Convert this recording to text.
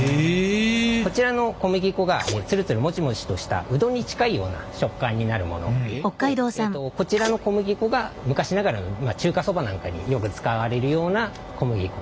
こちらの小麦粉がツルツルもちもちとしたうどんに近いような食感になるものとこちらの小麦粉が昔ながらの中華そばなんかによく使われるような小麦粉。